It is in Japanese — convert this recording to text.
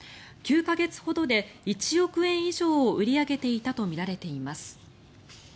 ９か月ほどで１億円以上を売り上げていたとみられています。